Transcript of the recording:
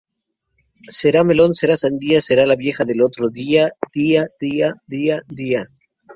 Será melón, será sandía, será la vieja del otro día, día, día, día, día.